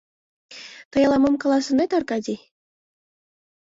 — Тый ала-мом каласынет, Аркадий?